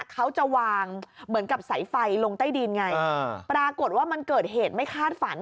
เขาจะวางเหมือนกับสายไฟลงใต้ดินไงปรากฏว่ามันเกิดเหตุไม่คาดฝัน